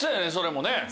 それもね。